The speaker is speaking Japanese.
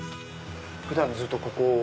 普段ずっとここで。